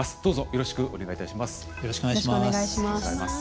よろしくお願いします。